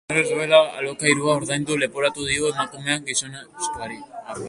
Inoiz ez duela alokairua ordaindu leporatu dio emakumeak gizonezkoari.